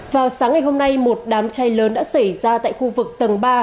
vào sáng ngày hôm nay một đám cháy lớn đã xảy ra tại khu vực tầng ba